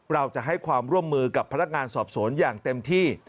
เราจะให้ความร่วมมือกับพนักงานสอบสวนอย่างเต็มที่